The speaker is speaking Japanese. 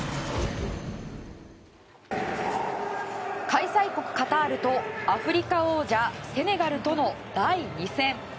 開催国カタールとアフリカ王者セネガルとの第２戦。